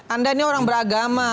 anda ini orang beragama